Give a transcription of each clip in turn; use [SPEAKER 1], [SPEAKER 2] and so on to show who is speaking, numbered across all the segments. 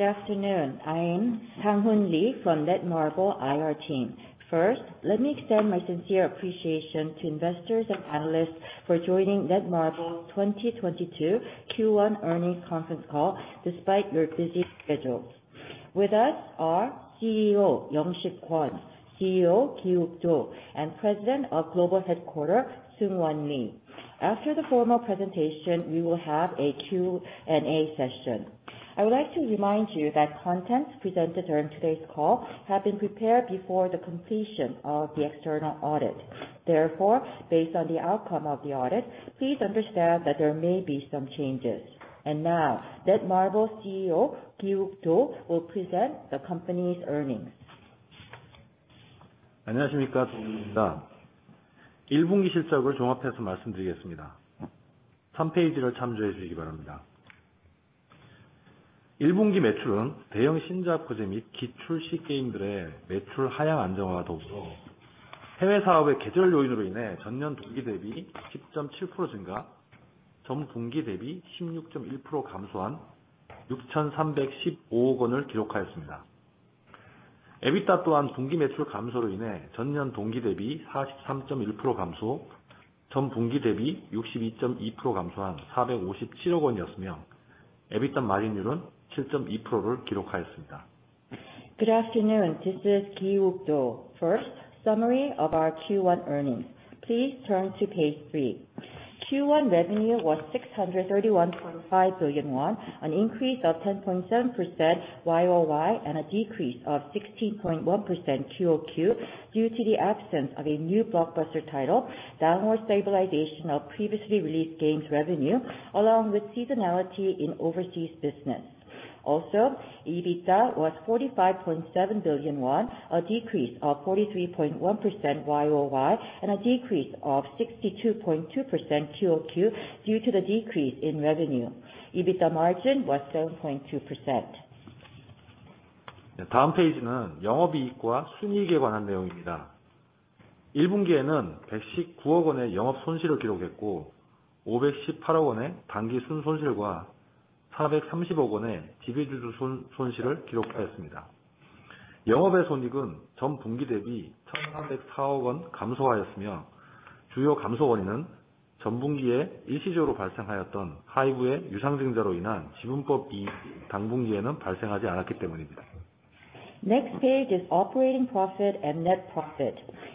[SPEAKER 1] Good afternoon. I'm Sang Hoon Lee from Netmarble IR team. First, let me extend my sincere appreciation to investors and analysts for joining Netmarble 2022 Q1 earnings conference call despite your busy schedule. With us are CEO Young-sig Kwon, CEO Gi-wook Do, and President of Global Headquarter, Seungwon Min. After the formal presentation, we will have a Q&A session. I would like to remind you that contents presented during today's call have been prepared before the completion of the external audit. Therefore, based on the outcome of the audit, please understand that there may be some changes. Now, Netmarble CEO Gi-wook Do will present the company's earnings. Good afternoon. This is Gi-wook Do. First, summary of our Q1 earnings. Please turn to page 3. Q1 revenue was 631.5 billion won, an increase of 10.7% YOY, and a decrease of 16.1% QoQ, due to the absence of a new blockbuster title, downward stabilization of previously released games revenue, along with seasonality in overseas business. EBITDA was KRW 45.7 billion, a decrease of 43.1% YOY, and a decrease of 62.2% QoQ due to the decrease in revenue. EBITDA margin was 7.2%. Next page is operating profit and net profit.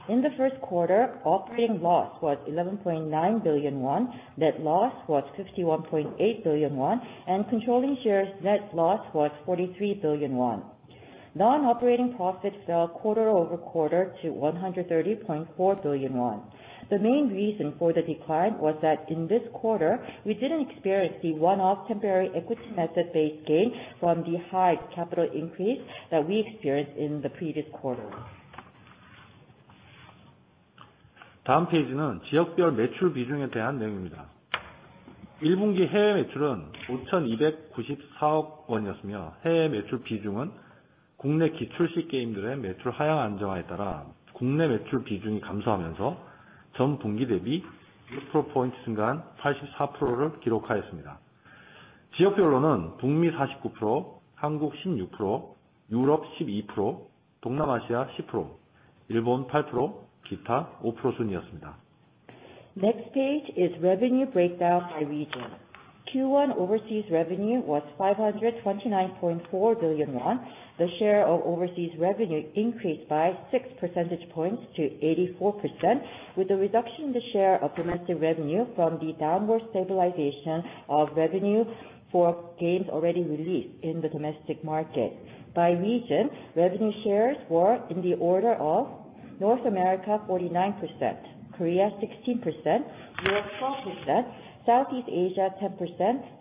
[SPEAKER 1] In the first quarter, operating loss was 11.9 billion won, net loss was 51.8 billion won, and controlling shares net loss was 43 billion won. Non-operating profits fell quarter-over-quarter to 130.4 billion won. The main reason for the decline was that in this quarter, we didn't experience the one-off temporary equity method-based gain from the high capital increase that we experienced in the previous quarter. Next page is revenue breakdown by region. Q1 overseas revenue was 529.4 billion won. The share of overseas revenue increased by six percentage points to 84%, with a reduction in the share of domestic revenue from the downward stabilization of revenue for games already released in the domestic market. By region, revenue shares were in the order of North America 49%, Korea 16%, Europe 12%, Southeast Asia 10%,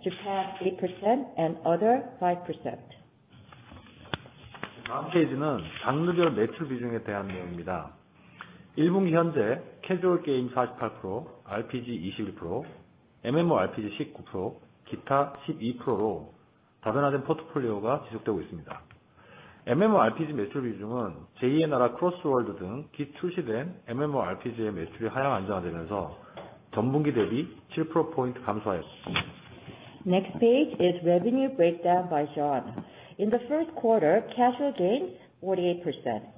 [SPEAKER 1] Japan 8%, and other 5%. Next page is revenue breakdown by genre. In the first quarter, casual games 48%,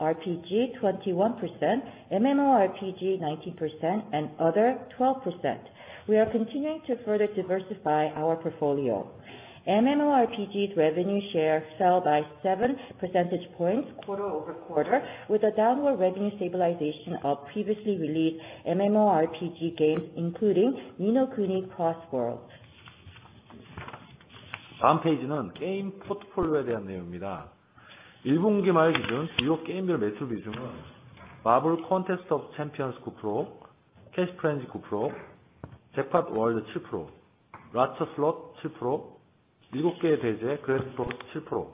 [SPEAKER 1] RPG 21%, MMORPG 19%, and other 12%. We are continuing to further diversify our portfolio. MMORPG's revenue share fell by seven percentage points quarter-over-quarter, with a downward revenue stabilization of previously released MMORPG games, including Ni no Kuni: Cross Worlds. Next page is game portfolio. As of the end of the first quarter, revenue share by key title, Marvel Contest of Champions 9%, Cash Frenzy 9%, Jackpot World 7%, Lotsa Slots 7%, The Seven Deadly Sins: Grand Cross 7%, and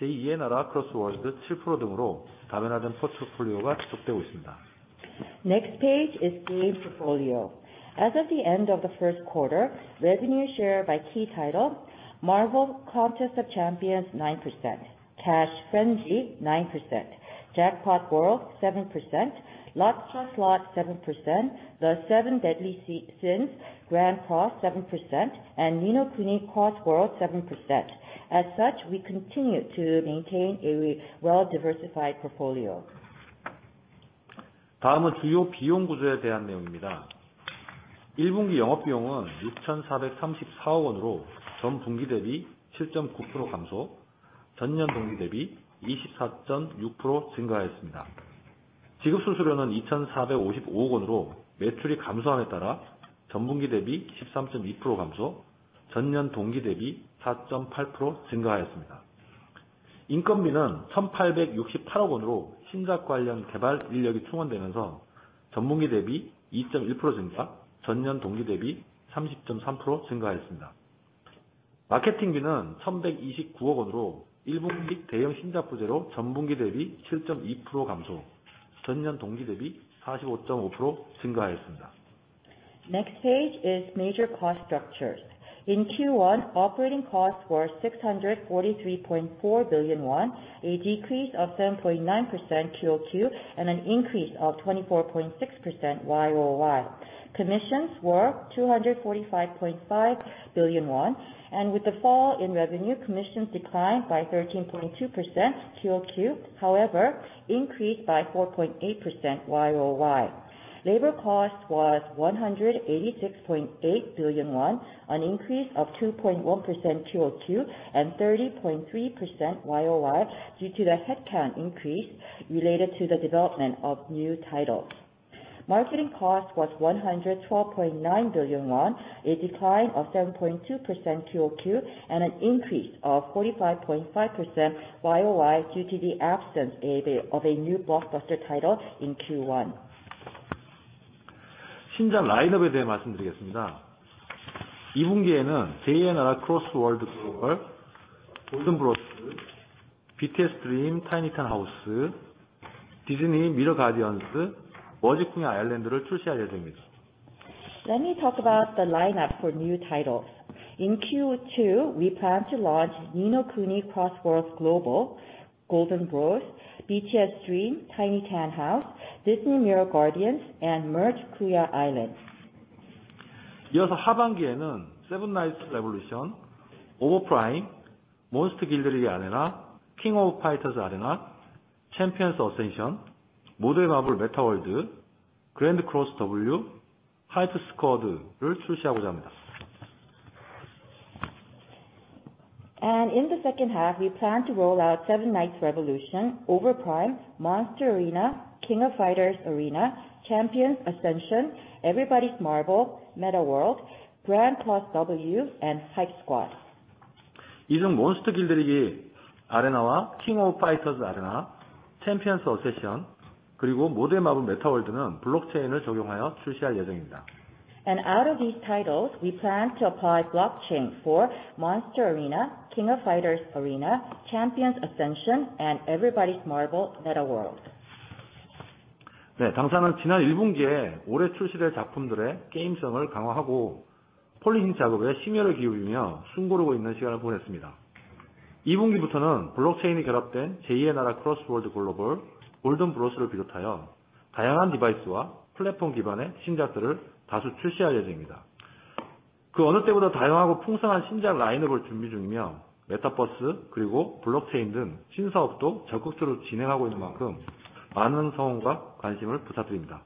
[SPEAKER 1] Ni no Kuni: Cross Worlds 7%. As such, we continue to maintain a well-diversified portfolio.
[SPEAKER 2] (다음은 주요 비용 구조에 대한 내용입니다. 1분기 영업비용은 6,434억 원으로 전분기 대비 7.9% 감소, 전년 동기 대비 24.6% 증가하였습니다. 지급 수수료는 2,455억 원으로 매출이 감소함에 따라 전분기 대비 13.2% 감소, 전년 동기 대비 4.8% 증가하였습니다. 인건비는 1,868억 원으로 신작 관련 개발 인력이 투입되면서 전분기 대비 2.1% 증가, 전년 동기 대비 30.3% 증가하였습니다. 마케팅비는 1,129억 원으로 1분기 대형 신작 부재로 전분기 대비 7.2% 감소, 전년 동기 대비 45.5% 증가하였습니다.)
[SPEAKER 1] Next page is major cost structures. In Q1 operating costs were 643.4 billion won, a decrease of 7.9% QoQ, and an increase of 24.6% YOY. Commissions were 245.5 billion won, and with the fall in revenue, commissions declined by 13.2% QoQ, however, increased by 4.8% YOY. Labor cost was 186.8 billion won, an increase of 2.1% QoQ, and 30.3% YOY due to the headcount increase related to the development of new titles. Marketing cost was 112.9 billion won, a decline of 7.2% QoQ and an increase of 45.5% YOY due to the absence of a new blockbuster title in Q1.
[SPEAKER 2] (신작 라인업에 대해 말씀드리겠습니다. 이 분기에는 제2의 나라: Cross Worlds 글로벌, 골든브로스, BTS Dream: TinyTAN House, 디즈니 미러버스, 머지 쿵야 아일랜드를 출시할 예정입니다.)
[SPEAKER 1] Let me talk about the lineup for new titles. In Q2, we plan to launch Ni no Kuni: Cross Worlds Global, Golden Bros, BTS Dream: TinyTAN House, Disney Mirrorverse, and Merge Kuya Island.
[SPEAKER 2] 이어서 하반기에는 세븐나이츠 레볼루션, 오버프라임, 몬스터길들이기 아레나, 킹 오브 파이터즈 아레나, 챔피언스 어센션, 모두의 마블 메타월드, 그랜드 크로스W, 하이프스쿼드를 출시하고자 합니다.
[SPEAKER 1] In the second half, we plan to roll out Seven Knights Revolution, Overprime, Monster Arena, The King of Fighters Arena, Champions Ascensio n, Everybody's Marble: Meta World, Grand Cross W, and HypeSquad.
[SPEAKER 2] (이 중 몬스터길들이기 아레나와 킹 오브 파이터즈 아레나, 챔피언스 어센션, 그리고 모두의 마블 메타월드는 블록체인을 적용하여 출시할 예정입니다.)
[SPEAKER 1] Out of these titles, we plan to apply blockchain for Monster Arena, The King of Fighters Arena, Champions Ascension, and Everybody's Marble: Meta World.
[SPEAKER 2] (네, 당사는 지난 1분기에 올해 출시될 작품들의 게임성을 강화하고 폴리싱 작업에 심혈을 기울이며 숨 고르고 있는 시간을 보냈습니다. 이 분기부터는 블록체인이 결합된 제2의 나라: Cross Worlds Global, Golden Bros를 비롯하여 다양한 디바이스와 플랫폼 기반의 신작들을 다수 출시할 예정입니다. 그 어느 때보다 다양하고 풍성한 신작 라인업을 준비 중이며, 메타버스 그리고 블록체인 등 신사업도 적극적으로 진행하고 있는 만큼 많은 성원과 관심을 부탁드립니다.)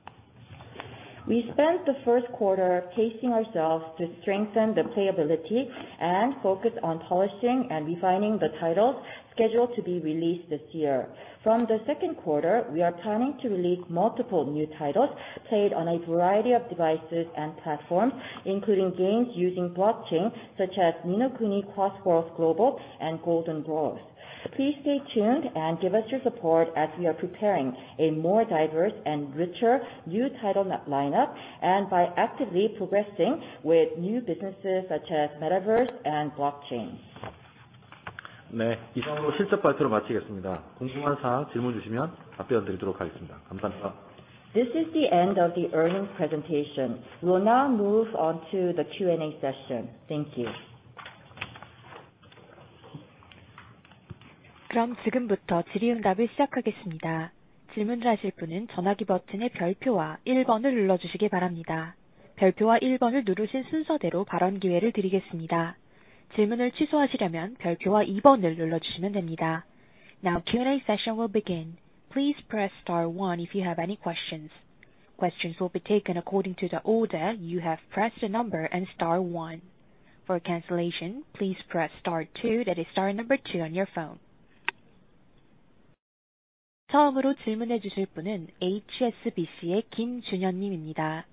[SPEAKER 1] We spent the first quarter pacing ourselves to strengthen the playability and focus on polishing and refining the titles scheduled to be released this year. From the second quarter, we are planning to release multiple new titles played on a variety of devices and platforms, including games using blockchain such as Ni no Kuni: Cross Worlds Global and Golden Bros. Please stay tuned and give us your support as we are preparing a more diverse and richer new title lineup and by actively progressing with new businesses such as Metaverse and blockchain.
[SPEAKER 2] (네, 이상으로 실적 발표를 마치겠습니다. 궁금한 사항 질문 주시면 답변드리도록 하겠습니다. 감사합니다.)
[SPEAKER 1] This is the end of the earnings presentation. We'll now move on to the Q&A session. Thank you.
[SPEAKER 3] (그럼 지금부터 질의응답을 시작하겠습니다. 질문을 하실 분은 전화기 버튼의 별표와 일번을 눌러주시기 바랍니다. 별표와 일번을 누르신 순서대로 발언 기회를 드리겠습니다. 질문을 취소하시려면 별표와 이번을 눌러주시면 됩니다.) Now Q&A session will begin. Please press star one if you have any questions. Questions will be taken according to the order you have pressed the number and star one. For cancellation, please press star two. That is star number two on your phone. (처음으로 질문해 주실 분은 HSBC의 김준현 님입니다.)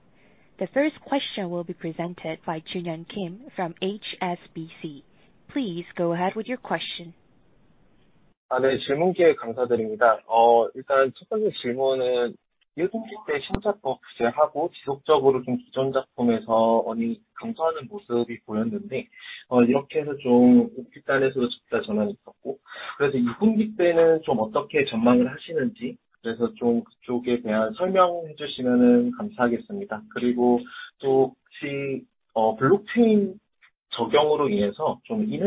[SPEAKER 3] The first question will be presented by Junhyun Kim from HSBC. Please go ahead with your question.
[SPEAKER 4] (질문 기회 감사드립니다. 일단 첫 번째 질문은 1분기 때 신작도 부재하고 지속적으로 기존 작품에서 어느 정도 감소하는 모습이 보였는데, 이렇게 해서 영업이익에서도 적자 전환이 있었고, 이 분기 때는 어떻게 전망을 하시는지, 그쪽에 대한 설명해 주시면 감사하겠습니다. 그리고 혹시 blockchain 적용으로 인해서 신작의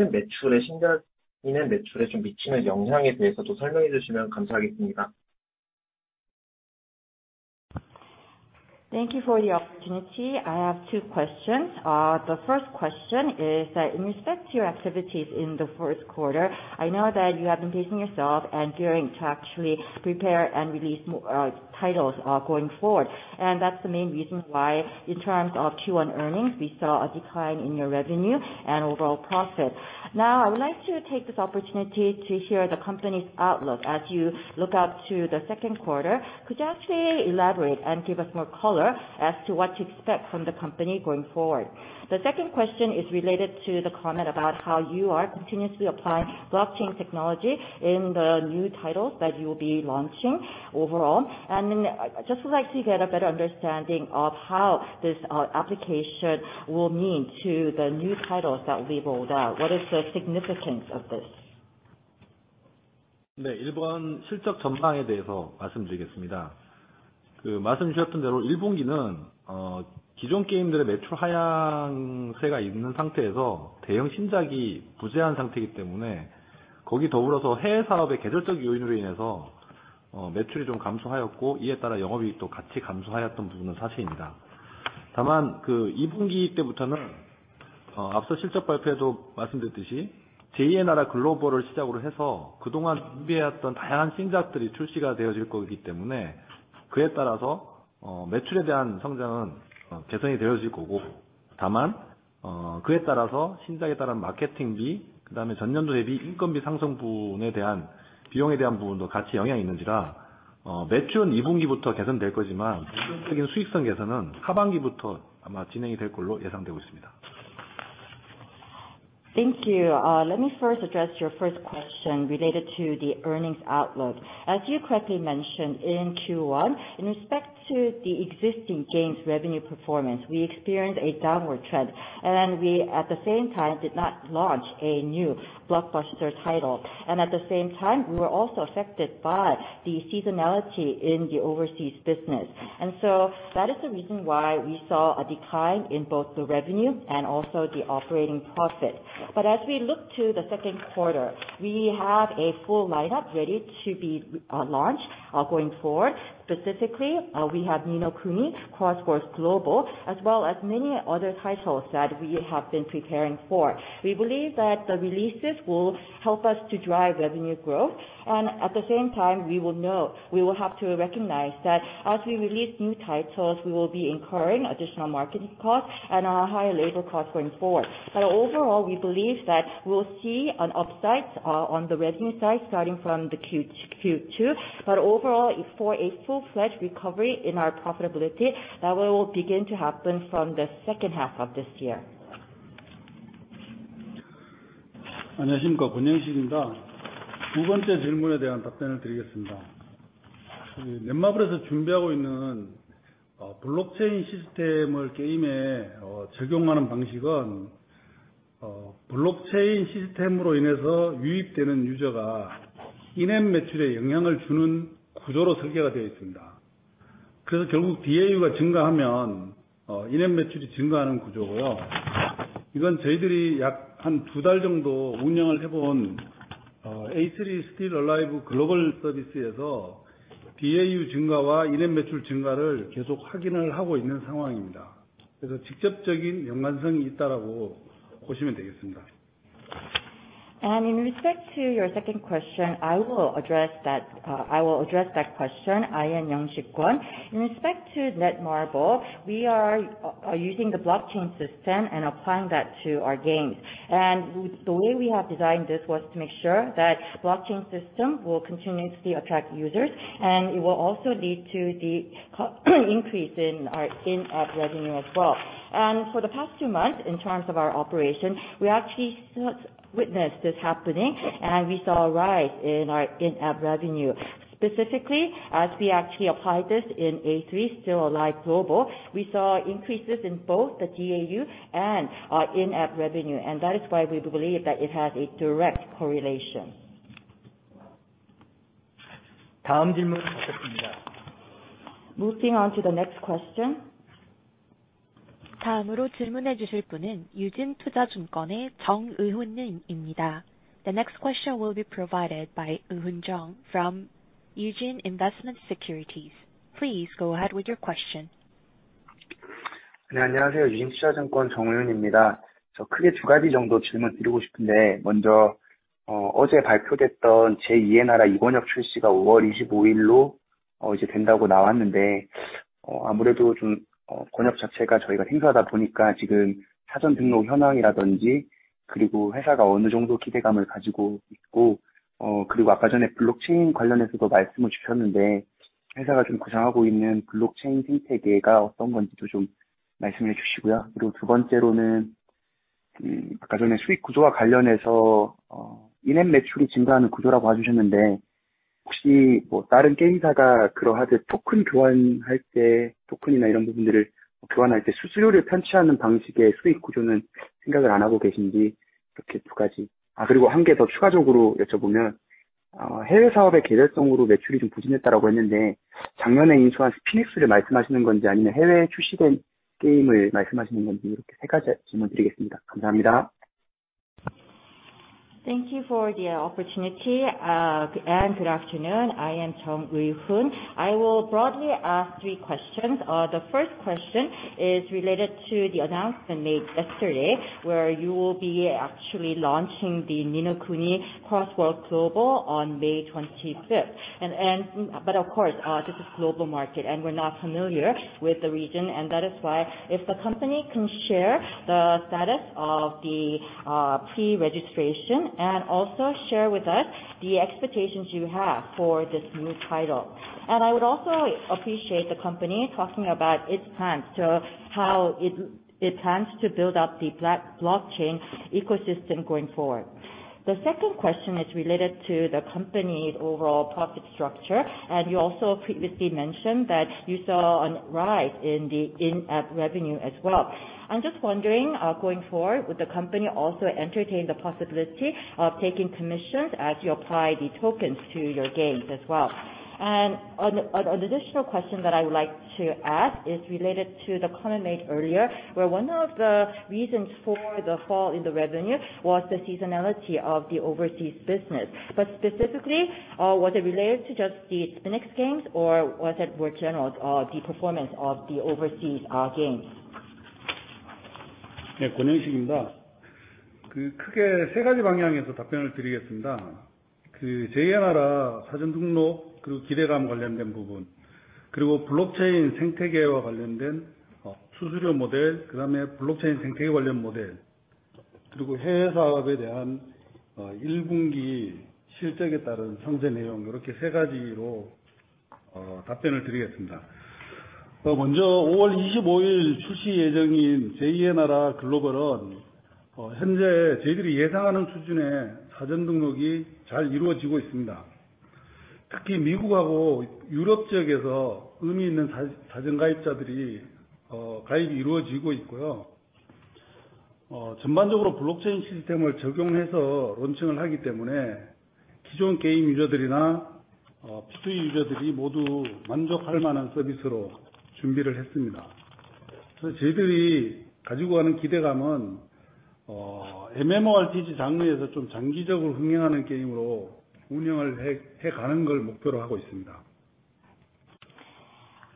[SPEAKER 4] 매출에 미치는 영향에 대해서도 설명해 주시면 감사하겠습니다.)
[SPEAKER 5] Thank you for the opportunity. I have two questions. The first question is that in respect to your activities in the first quarter, I know that you have been pacing yourself and gearing to actually prepare and release titles going forward. That's the main reason why in terms of Q1 earnings, we saw a decline in your revenue and overall profit. Now, I would like to take this opportunity to hear the company's outlook. As you look out to the second quarter, could you actually elaborate and give us more color as to what to expect from the company going forward? The second question is related to the comment about how you are continuously applying blockchain technology in the new titles that you will be launching overall. I just would like to get a better understanding of how this application will mean to the new titles that will be rolled out. What is the significance of this? Thank you. Let me first address your first question related to the earnings outlook. As you correctly mentioned in Q1, in respect to the existing games revenue performance, we experienced a downward trend. We, at the same time, did not launch a new blockbuster title. At the same time, we were also affected by the seasonality in the overseas business. That is the reason why we saw a decline in both the revenue and also the operating profit. As we look to the second quarter, we have a full lineup ready to be launched going forward.
[SPEAKER 1] Specifically, we have Ni no Kuni: Cross Worlds global, as well as many other titles that we have been preparing for. We believe that the releases will help us to drive revenue growth. At the same time, we will have to recognize that as we release new titles, we will be incurring additional marketing costs and higher labor costs going forward. Overall, we believe that we'll see an upside on the revenue side starting from the Q2. Overall, for a full-fledged recovery in our profitability, that will begin to happen from the second half of this year. In respect to your second question, I will address that question. I am Young-sig Kwon. In respect to Netmarble, we are using the blockchain system and applying that to our games. The way we have designed this was to make sure that blockchain system will continuously attract users, and it will also lead to the increase in our in-app revenue as well. For the past two months, in terms of our operations, we actually saw, witnessed this happening, and we saw a rise in our in-app revenue. Specifically, as we actually applied this in A3: Still Alive Global, we saw increases in both the DAU and our in-app revenue. That is why we believe that it has a direct correlation. Moving on to the next question.
[SPEAKER 3] The next question will be provided by Ui Hoon Jeong from Eugene Investment & Securities. Please go ahead with your question.
[SPEAKER 6] Thank you for the opportunity, and good afternoon. I am Ui Hoon Jeong. I will broadly ask three questions. The first question is related to the announcement made yesterday, where you will be actually launching the Ni no Kuni: Cross Worlds global on May 25. Of course, this is global market, and we're not familiar with the region, and that is why if the company can share the status of the pre-registration and also share with us the expectations you have for this new title. I would also appreciate the company talking about its plans to how it plans to build up the blockchain ecosystem going forward. The second question is related to the company's overall profit structure. You also previously mentioned that you saw a rise in the in-app revenue as well.
[SPEAKER 1] I'm just wondering, going forward, would the company also entertain the possibility of taking commissions as you apply the tokens to your games as well? An additional question that I would like to ask is related to the comment made earlier, where one of the reasons for the fall in the revenue was the seasonality of the overseas business. Specifically, was it related to just the SpinX Games or was it more general, the performance of the overseas games?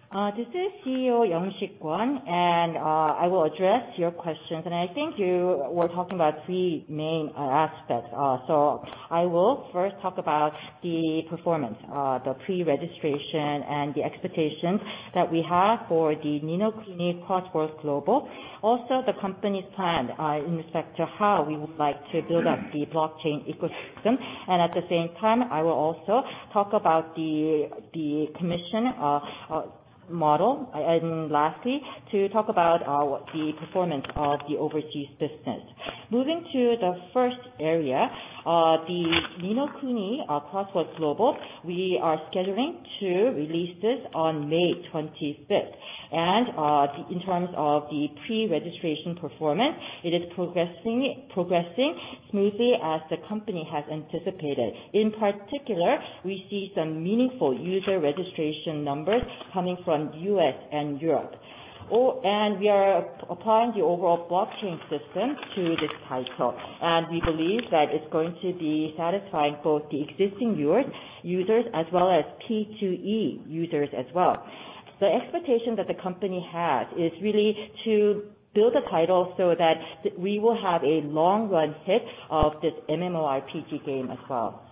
[SPEAKER 1] This is CEO Young-sig Kwon, and I will address your questions. I think you were talking about three main aspects. I will first talk about the performance, the pre-registration and the expectations that we have for the Ni no Kuni: Cross Worlds global. Also, the company's plan in respect to how we would like to build up the blockchain ecosystem. At the same time, I will also talk about the commission model. Lastly, to talk about the performance of the overseas business. Moving to the first area, the Ni no Kuni: Cross Worlds global, we are scheduling to release this on May 25. In terms of the pre-registration performance, it is progressing smoothly as the company has anticipated. In particular, we see some meaningful user registration numbers coming from U.S. and Europe. Oh, and we are applying the overall blockchain system to this title. We believe that it's going to be satisfying both the existing users as well as P2E users as well. The expectation that the company has is really to build a title so that we will have a long run hit of this MMORPG game as well.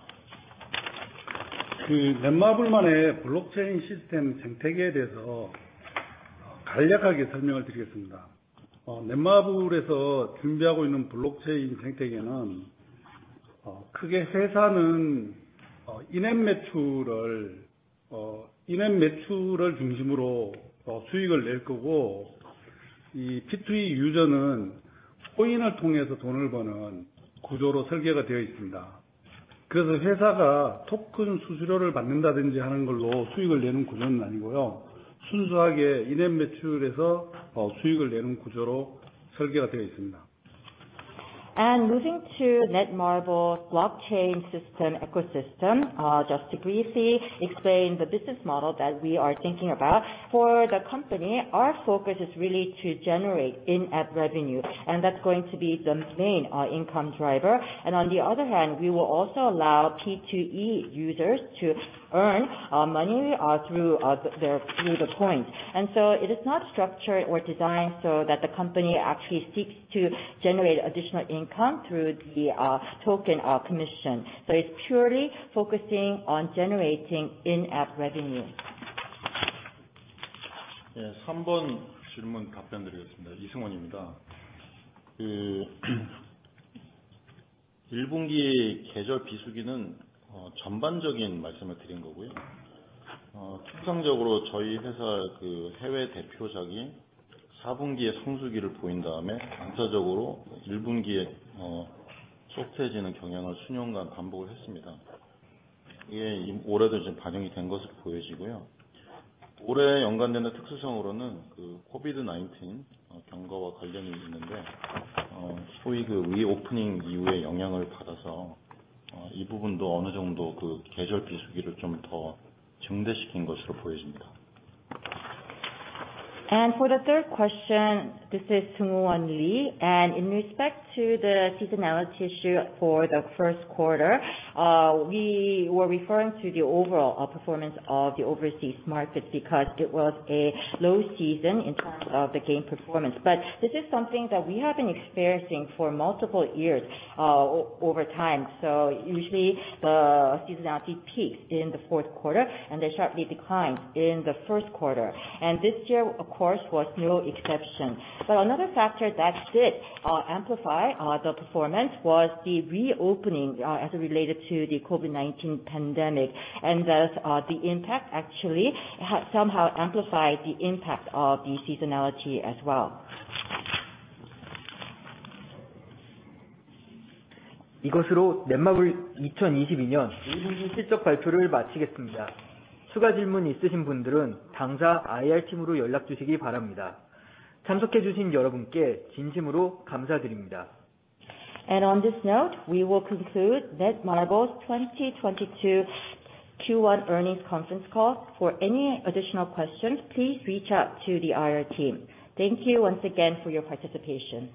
[SPEAKER 1] Moving to Netmarble's blockchain system ecosystem, just to briefly explain the business model that we are thinking about. For the company, our focus is really to generate in-app revenue, and that's going to be the main income driver. On the other hand, we will also allow P2E users to earn money through the coins. It is not structured or designed so that the company actually seeks to generate additional income through the token commission. It's purely focusing on generating in-app revenue. For the third question, this is Seungwon Min.
[SPEAKER 7] In respect to the seasonality issue for the first quarter, we were referring to the overall performance of the overseas market because it was a low season in terms of the game performance. This is something that we have been experiencing for multiple years, over time. Usually the seasonality peaks in the fourth quarter and they sharply decline in the first quarter. This year, of course, was no exception. Another factor that did amplify the performance was the reopening, as it related to the COVID-19 pandemic. Thus, the impact actually somehow amplified the impact of the seasonality as well. On this note, we will conclude Netmarble's 2022 Q1 earnings conference call. For any additional questions, please reach out to the IR team. Thank you once again for your participation.